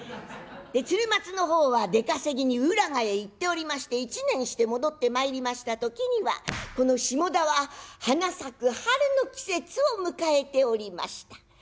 鶴松の方は出稼ぎに浦賀へ行っておりまして１年して戻ってまいりました時にはこの下田は花咲く春の季節を迎えておりました。